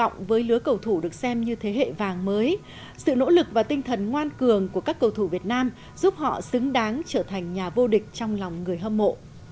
với lứa cầu thủ được xem như thế hệ vàng mới sự nỗ lực và tinh thần ngoan cường của các cầu thủ việt nam giúp họ xứng đáng trở thành nhà vô địch trong lòng người hâm mộ